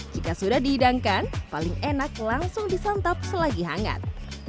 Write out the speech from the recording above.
jika sudah dihidangkan paling enak langsung disantap selagi hangat